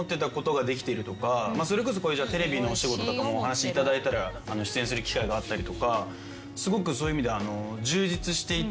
それこそテレビのお仕事とかもお話頂いたら出演する機会があったりとかすごくそういう意味では。